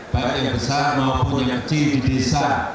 baik yang besar maupun yang kecil di desa